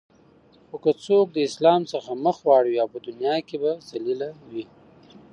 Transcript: خو که څوک د اسلام څخه مخ واړوی په دنیا کی به ذلیل وی